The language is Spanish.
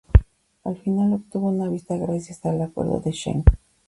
Al final obtuvo una visa gracias al Acuerdo de Schengen.